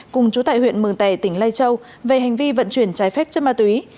cùng chú tại huyện mường tè tỉnh lai châu về hành vi vận chuyển trái phép chất ma túy